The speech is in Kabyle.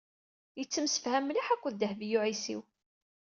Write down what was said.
Yettemsefham mliḥ akked Dehbiya u Ɛisiw.